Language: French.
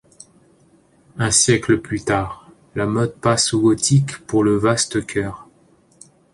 Un siècle plus tard, la mode passe au gothique pour le vaste chœur.